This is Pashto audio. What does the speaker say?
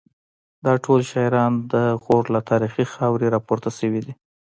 دا ټول شاعران د غور له تاریخي خاورې راپورته شوي دي